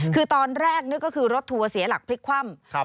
คือตอนแรกนึกก็คือรถทัวร์เสียหลักพลิกคว่ำ